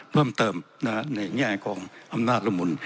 เพิ่มเติมในแง่ของอำนาจละมุน